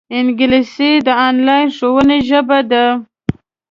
انګلیسي د انلاین ښوونې ژبه ده